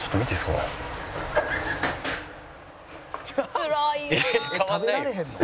「つらいな」